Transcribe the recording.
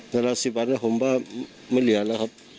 แต่ละ๑๐วันนะผมว่าไม่เหลียนอะครับ